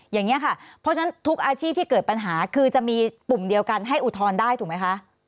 อย่างนี้ค่ะเพราะฉะนั้นทุกอาชีพที่เกิดปัญหาคือจะมีปุ่มเดียวกันให้อุทธรณ์ได้ถูกไหมคะ